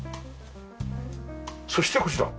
そしてこちら。